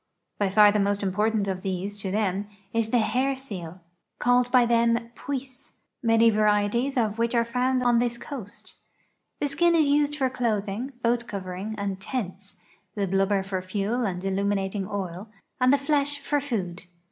Wy far tlie most important of these, to them, is the hair seal, called h}' them " puisse," man}' varieties of which are found on this coast. The skin is used for clothing, lioat covering, and tents, the liluhhcr for fuel and illuminating oil, and the flesh for food.